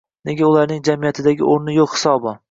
nega ularning jamiyatdagi o‘rni yo‘q hisobi?